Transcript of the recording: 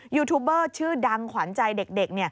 ยูทูบเบอร์ชื่อดังขวัญใจเด็ก